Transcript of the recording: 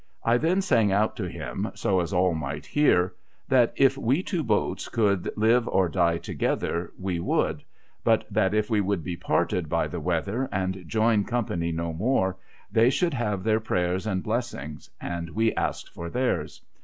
I then sang out to him, so as all might hear, that if w^e two boats could live or die together, we would ; but, that if we should be parted by the weather, and join company no more, they should have our prayers and blessings, and we asked for theirs.